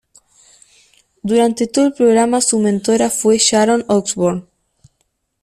Durante todo el programa su mentora fue Sharon Osbourne.